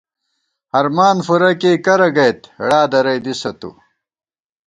ہرمان فُرہ کېئی کرہ گَئیت ، ہېڑا درَئی دِسہ تُو